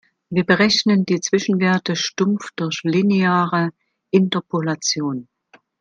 Wir berechnen die Zwischenwerte stumpf durch lineare Interpolation.